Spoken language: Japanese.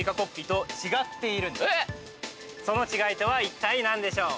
その違いとはいったい何でしょう？